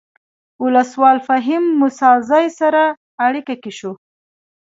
ولسوال فهیم موسی زی سره اړیکه کې شولو.